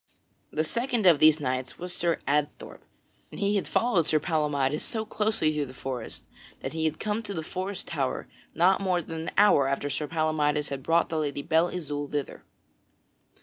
The second of these knights was Sir Adthorp, and he had followed Sir Palamydes so closely through the forest that he had come to the forest tower not more than an hour after Sir Palamydes had brought the Lady Belle Isoult thither.